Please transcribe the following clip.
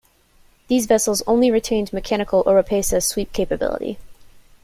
These vessels only retained mechanical "Oropesa" sweep capability.